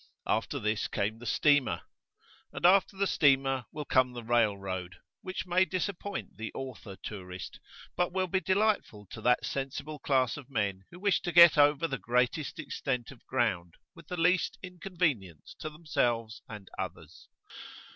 After this came the steamer. And after the steamer will come the railroad, which may disappoint the author tourist, but will be delightful to that sensible class of men who wish to get over the greatest extent of ground with the least inconvenience to themselves and others.